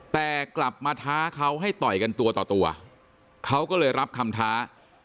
แต่กลับมาท้าเขาให้ต่อยกันตัวต่อตัวเขาก็เลยรับคำท้า